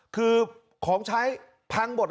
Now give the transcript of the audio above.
คือของใช้พังหมด